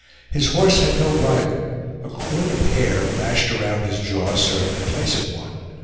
His horse had no bridle; a cord of hair, lashed around his jaw, served in place of one.